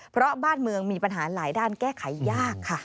เพราะบ้านเมืองมีปัญหาหลายด้านแก้ไขยากค่ะ